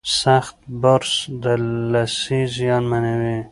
سخت برس د لثې زیانمنوي.